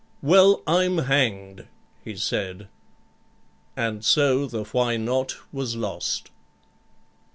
'Well, I'm hanged,' he said; and so the Why Not? was lost.